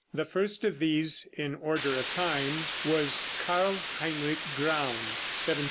The first of these in order of time was Karl Heinrich Graun (1701 1759).